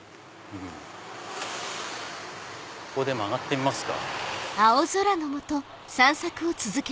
ここで曲がってみますか。